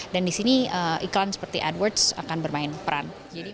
dan di sini iklan seperti adwords akan bermain peran